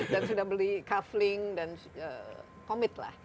dan sudah beli kavling dan komit lah